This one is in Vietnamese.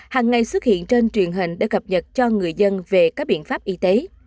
hàng ngày xuất hiện trên truyền hình để cập nhật cho người dân về các biện pháp y tế